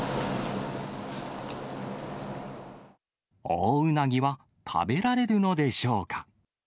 オオウナギは食べられるのでしょうか。